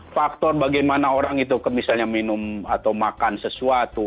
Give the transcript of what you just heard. faktor bagaimana orang itu misalnya minum atau makan sesuatu